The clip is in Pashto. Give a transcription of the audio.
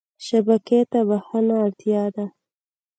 شبکې ته بښنه اړتیا ده.